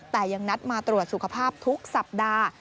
แต่ยังนัดมาตรวจสุขภาพทุกสัปดาห์